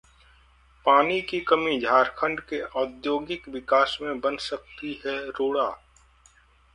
पानी की कमी झारखंड के औद्योगिक विकास में बन सकती है रोड़ा